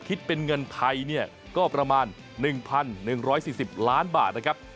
คิดเป็นเงินไทยเนี่ยก็ประมาณ๑๑๔๐ล้านบาทนะครับ